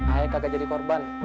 ayah kagak jadi korban